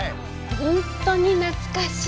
本当に懐かしい。